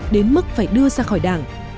đến mức phải đưa ra khỏi đảng